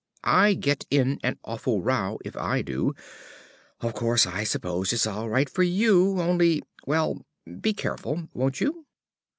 I get in an awful row if I do. Of course, I suppose it's all right for you, only well, be careful, won't you?"